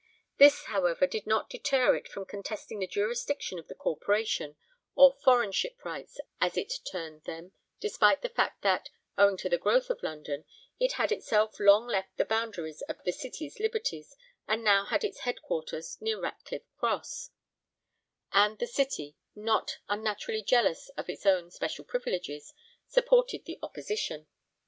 This, however, did not deter it from contesting the jurisdiction of the Corporation (or 'foreign' shipwrights, as it termed them, despite the fact that, owing to the growth of London, it had itself long left the boundaries of the City's Liberties, and now had its headquarters near Ratcliff Cross), and the City, not unnaturally jealous of its own special privileges, supported the opposition.